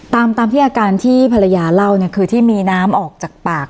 ตามตามที่อาการที่ภรรยาเล่าเนี่ยคือที่มีน้ำออกจากปาก